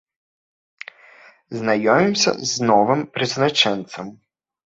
Знаёмімся з новым прызначэнцам.